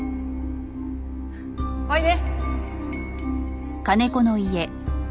おいで。